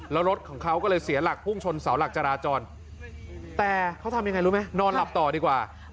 แล้วรถของเขาก็เลยเสียหลักพุ่งชนเสาหลักจราจรแต่เขาทำยังไงรู้ไหมนอนหลับต่อดีกว่า